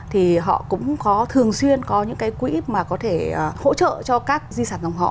thì họ cũng có thường xuyên có những cái quỹ mà có thể hỗ trợ cho các di sản dòng họ